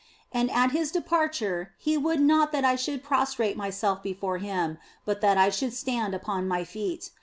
And at His departure He would not that I should prostrate myself before Him, but that I should stand upon my feet.